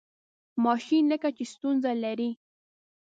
ماشین لکه چې ستونزه لري.